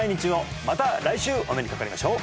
また来週お目にかかりましょう！